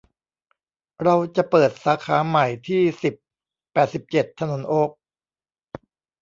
เราจะเปิดสาขาใหม่ที่ สิบ แปดสิบเจ็ด ถนนโอ๊ค